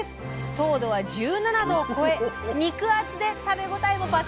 糖度は１７度を超え肉厚で食べ応えも抜群です。